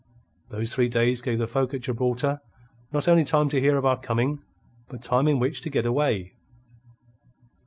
Those three days gave the folk at Gibraltar not only time to hear of our coming, but time in which to get away.